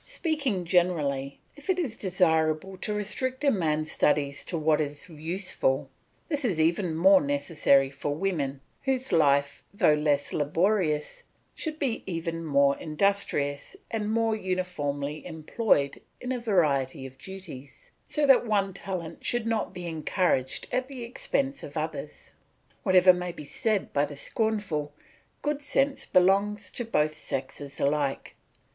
Speaking generally, if it is desirable to restrict a man's studies to what is useful, this is even more necessary for women, whose life, though less laborious, should be even more industrious and more uniformly employed in a variety of duties, so that one talent should not be encouraged at the expense of others. Whatever may be said by the scornful, good sense belongs to both sexes alike.